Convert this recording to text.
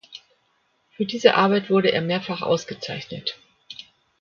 Für diese Arbeit wurde er mehrfach ausgezeichnet.